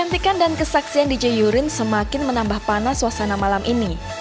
bermakin menambah panas suasana malam ini